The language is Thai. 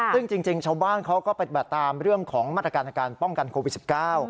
ซึ่งจริงชาวบ้านเขาก็ปฏิบัติตามเรื่องของมาตรการในการป้องกันโควิด๑๙